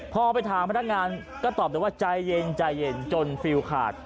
พอไปถามพนักงานก็ตอบแต่ว่าใจเย็นจนฟิล์ดขาด